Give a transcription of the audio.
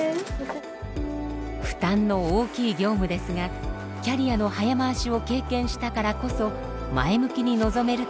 負担の大きい業務ですがキャリアの早回しを経験したからこそ前向きに臨めると言います。